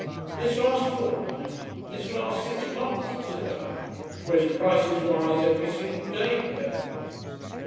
"This last fortnight! This last six months," said I. "Whereas prices rise every single day here."